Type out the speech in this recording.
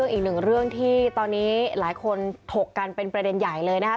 อีกหนึ่งเรื่องที่ตอนนี้หลายคนถกกันเป็นประเด็นใหญ่เลยนะครับ